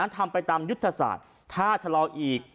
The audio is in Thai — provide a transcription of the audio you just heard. ทำไปตามยุทธศาสตร์ถ้าชะลออีก